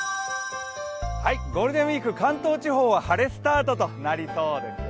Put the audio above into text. ゴールデンウイーク、関東地方は晴れスタートとなりそうですよ。